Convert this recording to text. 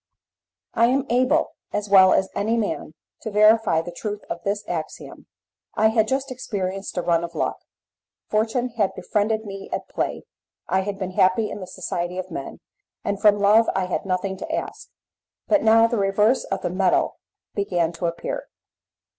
I am able, as well as any man, to verify the truth of this axiom. I had just experienced a run of luck. Fortune had befriended me at play, I had been happy in the society of men, and from love I had nothing to ask; but now the reverse of the medal began to appear.